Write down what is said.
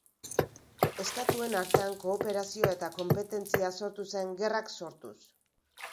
Estatuen artean kooperazioa eta konpetentzia sortu zen gerrak sortuz.